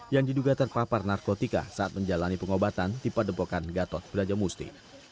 yang diduga terpapar narkotika saat menjalani pengobatan tipe depokan gatot brajamusti